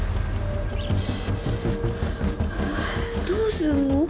どうするの？